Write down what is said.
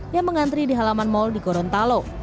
yang mengantri di halaman mal di gorontalo